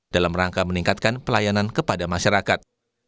dalam rangka meningkatkan pelayanan kepada masyarakat